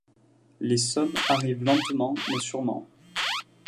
Les sommes arrivent lentement mais sûrement.